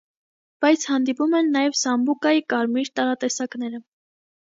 Բայց հանդիպում են նաև սամբուկայի կարմիր տարատեսակները։